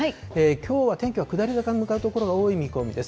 きょうは天気は下り坂の所が多い見込みです。